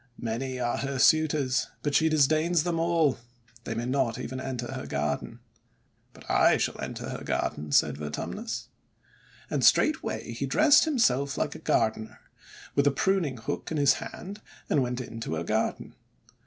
Many are her suitors, but she disdains them all; they may not even enter her garden." "But I shall enter her garden!" said Vertum nus. And straightway he dressed himself like a gardener, with a pruning hook in his hand, and went into her garden.